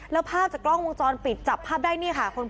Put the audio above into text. แล้วภาพจากกล้องวงจรปิดจับภาพได้นี่ค่ะ